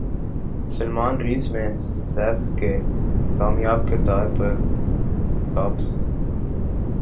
سلمان ریس میں سیف کے کامیاب کردار پر قابض